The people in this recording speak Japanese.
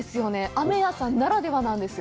あめ屋さんならではなんですよ。